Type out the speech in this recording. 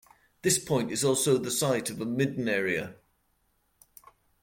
This point is also the site of a midden area.